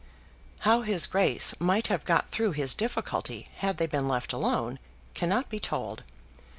How his Grace might have got through his difficulty had they been left alone, cannot be told.